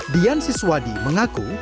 dian siswadi mengaku